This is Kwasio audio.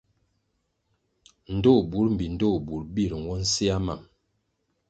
Ndtoh burʼ mbpi ndtoh burʼ bir nwo nsea mam.